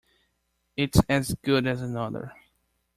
It's as good as another.